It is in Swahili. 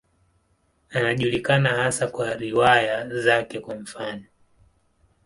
Anajulikana hasa kwa riwaya zake, kwa mfano.